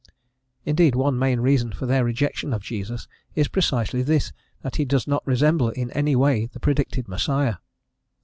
Indeed, one main reason for their rejection of Jesus is precisely this, that he does not resemble in any way the predicted Messiah.